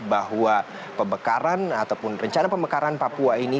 bahwa pemekaran ataupun rencana pemekaran papua ini